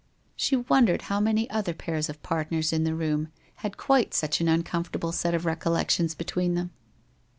She wondered how many other pairs of partners in the room had quite such an uncomfortable set of recollections between them?